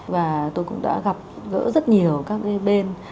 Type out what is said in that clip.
và tôi cũng đã gặp gỡ rất nhiều các cái bên